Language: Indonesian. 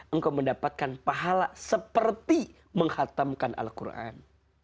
engkau mendapatkan pahala seperti menghatamkan al quran